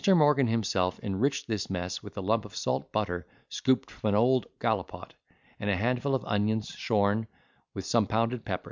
Morgan himself enriched this mess with a lump of salt butter scooped from an old gallipot, and a handful of onions shorn, with some pounded pepper.